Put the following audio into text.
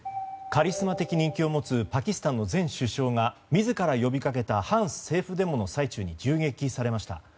カリスマ的人気を持つパキスタンの前首相が自ら呼びかけた反政府デモの最中に銃撃されました。